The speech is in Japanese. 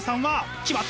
決まった！